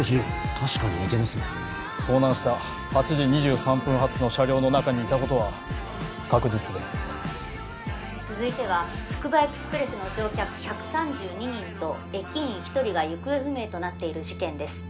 確かに似てますね遭難した８時２３分発の車両の中にいたことは確実です続いてはつくばエクスプレスの乗客１３２人と駅員１人が行方不明となっている事件です